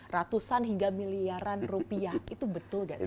ratusan hingga miliaran rupiah itu betul gak sih